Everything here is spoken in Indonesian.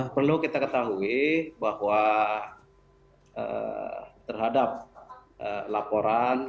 perlu kita ketahui bahwa terhadap laporan